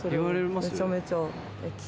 めちゃめちゃ。